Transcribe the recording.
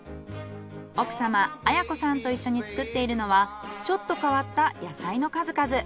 奥様文子さんと一緒に作っているのはちょっと変わった野菜の数々。